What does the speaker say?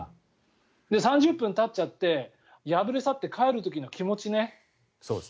３０分たっちゃって敗れ去って帰る時の気持ちね。